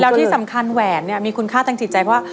แล้วที่สำคัญแหวนเนี่ยมีคุณค่าทางจิตใจว่า